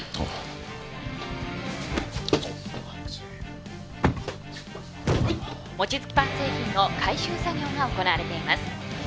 望月パン製品の回収作業が行われています。